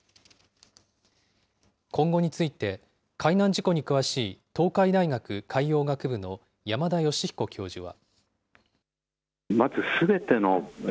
今後について、海難事故に詳しい東海大学海洋学部の山田吉彦教授は。